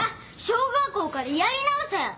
小学校からやり直せ。